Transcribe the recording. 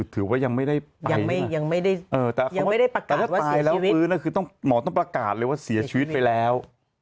ถือว่ายังไม่ได้ไปยังไม่ได้ประกาศว่าเสียชีวิตแต่ถ้าไปแล้วฟื้นคือหมอต้องประกาศเลยว่าเสียชีวิตไปแล้ว